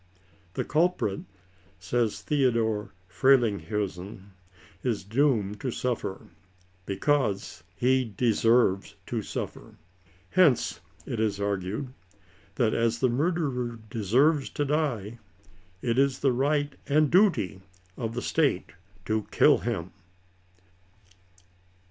« The culprit," says Theodore Frelinghuysen, " is doomed to suffer, because he deserves to aw^er." Hence it is argued, that as the murderer deserves to die, it is the right and duty of the State to kill him.